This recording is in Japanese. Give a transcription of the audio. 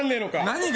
何が？